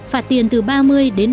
phạt tiền từ ba mươi đến năm mươi